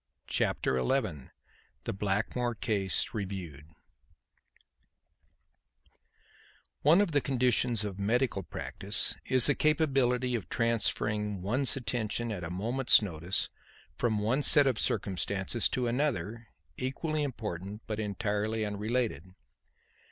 Chapter XI The Blackmore Case Reviewed One of the conditions of medical practice is the capability of transferring one's attention at a moment's notice from one set of circumstances to another equally important but entirely unrelated.